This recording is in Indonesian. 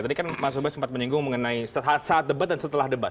tadi kan mas uba sempat menyinggung mengenai saat debat dan setelah debat